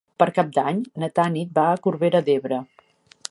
Per Cap d'Any na Tanit va a Corbera d'Ebre.